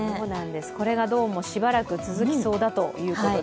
これがどうもしばらく続きそうだということで。